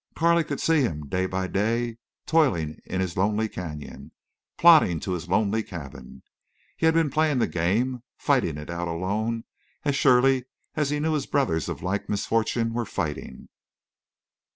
Carley could see him day by day toiling in his lonely canyon—plodding to his lonely cabin. He had been playing the game—fighting it out alone as surely he knew his brothers of like misfortune were fighting.